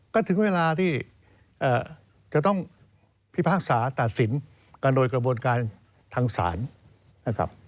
ก็ถึงเวลาที่จะต้องพิพากษาตัดสินกันโดยกระบวนการทางศาลนะครับ